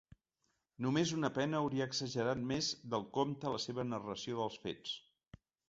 Només un pena hauria exagerat més del compte la seva narració dels fets.